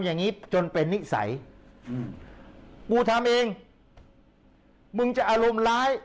โดยคลิปกับพุทธเมื่อให้สมัย